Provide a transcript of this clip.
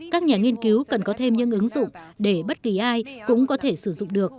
các nhà nghiên cứu cần có thêm những ứng dụng để bất kỳ ai cũng có thể sử dụng được